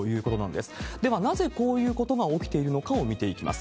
ではなぜこういうことが起きているのかを見ていきます。